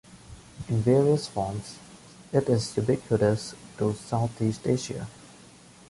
In various forms, it is ubiquitous to Southeast Asia.